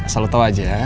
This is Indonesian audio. salah tau aja